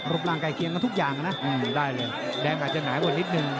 ร่างใกล้เคียงกันทุกอย่างนะได้เลยแดงอาจจะหนากว่านิดนึง